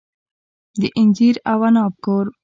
د انځر او عناب کور.